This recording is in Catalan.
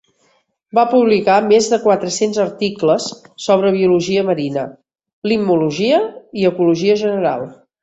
Va publicar més de quatre-cents articles sobre biologia marina, limnologia i ecologia general.